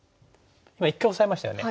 一回オサえましたよね。